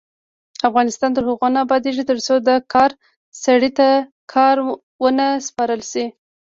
افغانستان تر هغو نه ابادیږي، ترڅو د کار سړي ته کار ونه سپارل شي.